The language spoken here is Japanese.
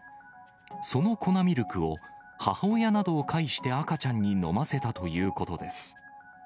その粉ミルクを、母親などを介して赤ちゃんに飲ませたということです。